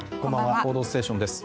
「報道ステーション」です。